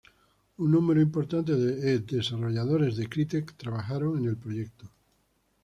Un número importante de ex-desarrolladores de Crytek trabajó en el proyecto.